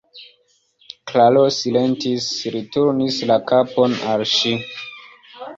Klaro silentis; li turnis la kapon al ŝi.